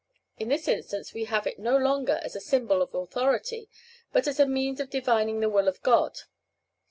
In this instance we have it no longer as a symbol of authority, but as a means of divining the will of God.